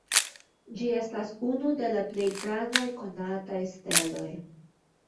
Ĝi estas unu de la plej grandaj konataj steloj.